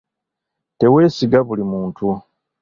Teweesiga buli muntu.